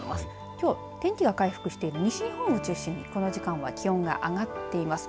きょう天気が回復し西日本を中心にこの時間は気温が上がっています。